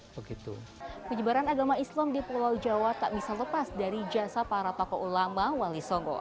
penyebaran agama islam di pulau jawa tak bisa lepas dari jasa para tokoh ulama wali songo